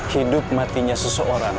hidup matinya seseorang